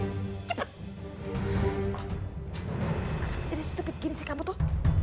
kenapa jadi stupid gini sih kamu tuh